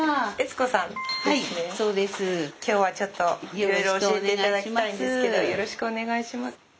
今日はちょっといろいろ教えていただきたいんですけどよろしくお願いします。